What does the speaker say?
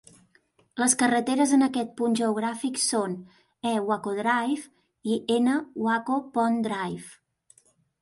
Les carreteres en aquest punt geogràfic són E. Waco Drive i N. Waco Point Drive.